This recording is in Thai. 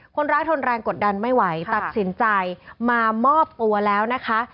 ทนแรงกดดันไม่ไหวตัดสินใจมามอบตัวแล้วนะคะ